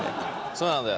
そうなんだよ。